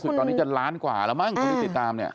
คือตอนนี้จะล้านกว่าแล้วมั้งคนที่ติดตามเนี่ย